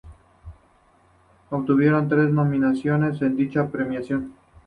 Obtuvieron tres nominaciones en dicha premiación.